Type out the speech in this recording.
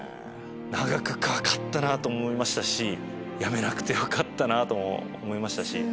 長くかかったなと思いましたしやめなくてよかったなとも思いましたし。